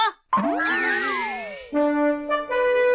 ああ。